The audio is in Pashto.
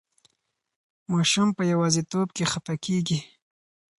ماشوم په یوازې توب کې خفه کېږي.